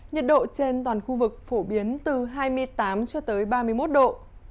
nhiệt độ trên toàn khu vực phổ biến từ hai mươi tám cho tới ba mươi một độ